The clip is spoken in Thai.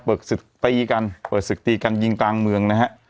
ศึกตีกันเปิดศึกตีกันยิงกลางเมืองนะฮะ